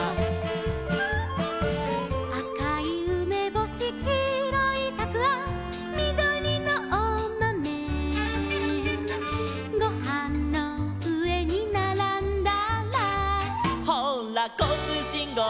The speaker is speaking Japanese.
「あかいうめぼし」「きいろいたくあん」「みどりのおまめ」「ごはんのうえにならんだら」「ほうらこうつうしんごうだい」